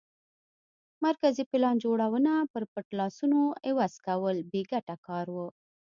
مرکزي پلان جوړونه پر پټ لاسونو عوض کول بې ګټه کار و